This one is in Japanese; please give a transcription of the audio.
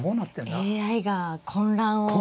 ＡＩが混乱をして。